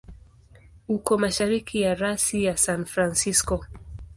Uko mashariki ya rasi ya San Francisco.